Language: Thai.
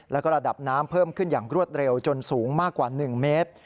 แล้วก็ระดับน้ำเพิ่มขึ้นอย่างรวดเร็วจนสูงมากกว่า๑เมตร